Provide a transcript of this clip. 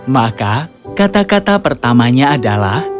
maka kata kata pertamanya adalah